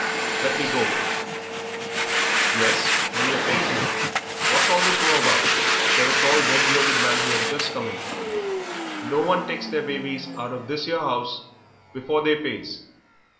Let me go." "Yes, when yer pays me." "What's all this row about?" said a tall, red bearded man who had just come in; "no one takes their babies out of this 'ere 'ouse before they pays.